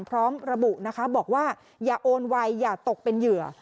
พร้อมระบุนะคะบอกว่าอย่าโอนไวอย่าตกเป็นเหยื่อ